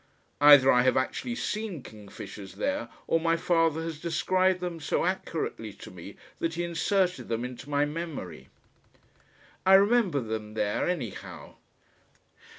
Either I have actually seen kingfishers there, or my father has described them so accurately to me that he inserted them into my memory. I remember them there anyhow.